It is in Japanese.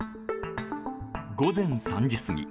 午前３時過ぎ